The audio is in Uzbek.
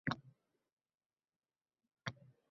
Ammo bechora bolaning kayfiyati juda tushkun edi